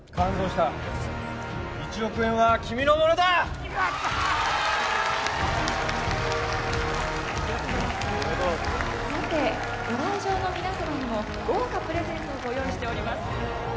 さてご来場の皆様にも豪華プレゼントをご用意しております